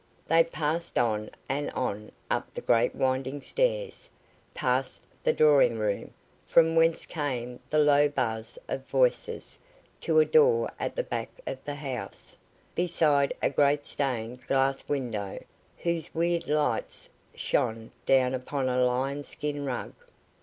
They passed on and on up the great winding stairs, past the drawing room, from whence came the low buzz of voices, to a door at the back of the house, beside a great stained glass window, whose weird lights shone down upon a lion skin rug.